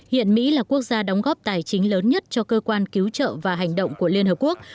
hiện mỹ là quốc gia đóng góp tài chính lớn nhất cho cơ quan cứu trợ và hành động của liên hợp quốc